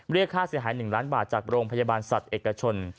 เรียกค่าเสียหาย๑ล้านบาทจากโรงพยาบาลสัตว์เอกชน